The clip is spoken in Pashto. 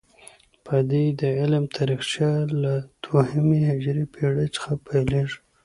د بدیع د علم تاریخچه له دوهمې هجري پیړۍ څخه پيلیږي.